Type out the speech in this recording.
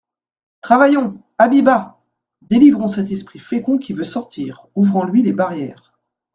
Travaillons ! Habit bas ! Délivrons cet esprit fécond qui veut sortir, ouvrons-lui les barrières.